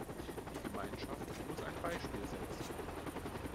Die Gemeinschaft muss ein Beispiel setzen.